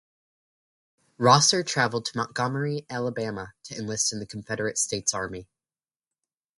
Rosser traveled to Montgomery, Alabama, to enlist in the Confederate States Army.